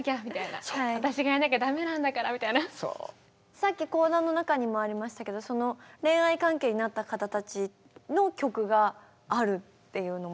さっき講談の中にもありましたけど恋愛関係になった方たちの曲があるっていうのも。